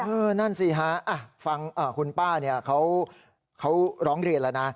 อ้าวนั่นสิฮะเฮ้อฟังละคุณป้าเนี่ยมาล้องเรียนแล้วล่ะนะ